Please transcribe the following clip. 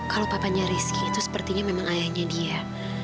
kalau papanya rizky itu sepertinya memang ayahnya dia